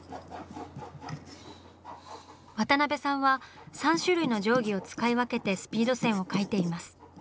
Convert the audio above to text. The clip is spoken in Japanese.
渡辺さんは３種類の定規を使い分けてスピード線を描いています。